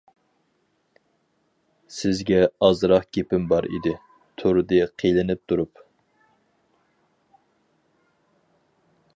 -سىزگە ئازراق گېپىم بار ئىدى، تۇردى قىينىلىپ تۇرۇپ.